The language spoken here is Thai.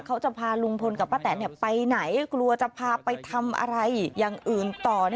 เขาจะพาลุงพลกับป้าแตนไปไหนกลัวจะพาไปทำอะไรอย่างอื่นต่อ